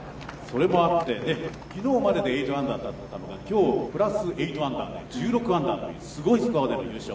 それもあって、きのうまでで８アンダーだったのが、きょう、プラス８アンダーで１６アンダーというすごいスコアでの優勝。